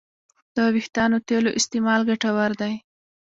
د وېښتیانو تېلو استعمال ګټور دی.